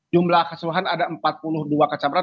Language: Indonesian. jumlah keseluruhan ada empat puluh dua kacamrat